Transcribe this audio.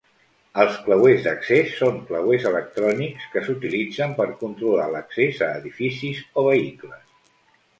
Els clauers d'accés són clauers electrònics que s'utilitzen per controlar l'accés a edificis o vehicles.